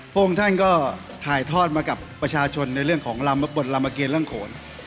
พวกคุณท่านก็ถ่ายทอดมากับประชาชนในเรื่องของบทลามเมอร์เกณฑ์เรื่องโขน